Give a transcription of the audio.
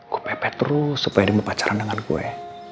gue pepet terus supaya dia mau pacaran dengan gue